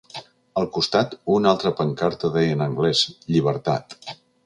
Al costat, una altra pancarta deia en anglès ‘Llibertat’.